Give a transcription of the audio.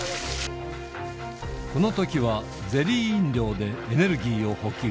このときはゼリー飲料でエネルギーを補給。